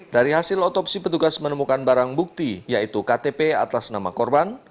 dari hasil otopsi petugas menemukan barang bukti yaitu ktp atas nama korban